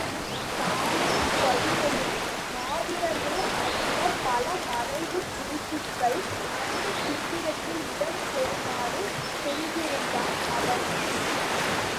தானும் பதுமையும் மாத்திரமே அறிந்த பல மறைவுக் குறிப்புக்கள் அந்தச் சித்திரத்தில் இடம் பெறுமாறு செய்திருந்தான் அவன்.